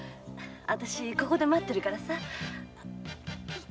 あたしここで待ってるからさ。